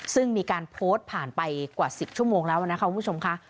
ซึ่งมีการโพสต์ผ่านไปกว่า๑๐ชั่วโมงแล้วนะคะคุณผู้ชมค่ะ